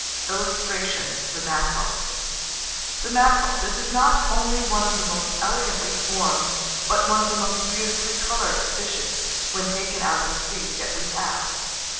[Illustration: THE MACKEREL.] THE MACKEREL. This is not only one of the most elegantly formed, but one of the most beautifully coloured fishes, when taken out of the sea, that we have.